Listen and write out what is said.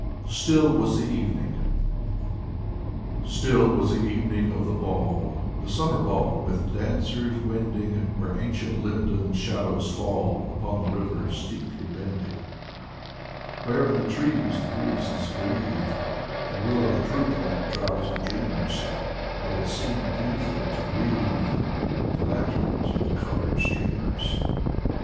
142 (I Victor Hofmnn 143 STILL WAS THE EVENING " Still was the evening of the ball, The summer ball, with dancers wending Where ancient linden shadows fall Upon the river steeply bending; Where in the trees the breezes breathe And willows droop like drowsy dreamers; Where it seemed beautiful to wreathe The lanterns and the colored streamers.